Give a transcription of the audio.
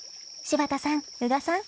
［柴田さん宇賀さん